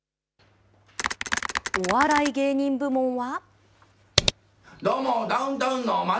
お笑い芸人部門は。